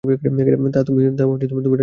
তা তুমি রাজি হলে না কেন?